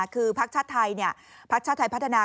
คือประชาชนไทยพพิจารณ์ภาคชาติไทยพัฒนา